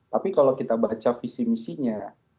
tapi kalau kita baca visi misinya